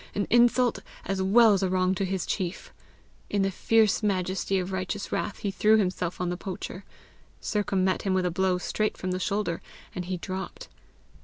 an insult as well as a wrong to his chief! In the fierce majesty of righteous wrath he threw himself on the poacher. Sercombe met him with a blow straight from the shoulder, and he dropped.